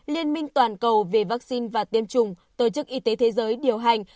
liên minh toàn cầu về vaccine và tiêm chủng tổ chức y tế thế giới điều hành